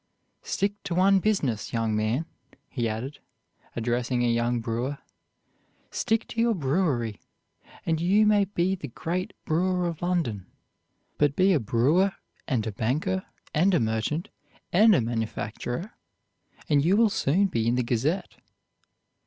"Stick to one business, young man," he added, addressing a young brewer; "stick to your brewery, and you may be the great brewer of London. But be a brewer, and a banker, and a merchant, and a manufacturer, and you will soon be in the Gazette."